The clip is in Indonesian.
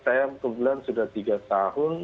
saya untuk bulan sudah tiga tahun